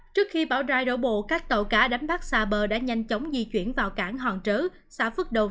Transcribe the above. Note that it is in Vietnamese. trước khi bão ra đổ bộ các tàu cá đánh bắt xa bờ đã nhanh chóng di chuyển vào cảng hòn trớ xã phước đầu